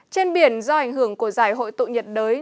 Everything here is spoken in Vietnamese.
trên biển do ảnh hưởng của giải hội tụ nhiệt đới